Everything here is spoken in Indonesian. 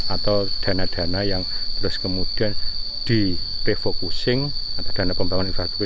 atau dana dana yang terus kemudian di refocusing atau dana pembangunan infrastruktur